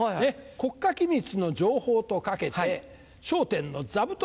国家機密の情報と掛けて『笑点』の座布団と解く。